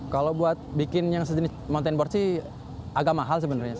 kalau buat bikin yang sejenis mountain board sih agak mahal sebenarnya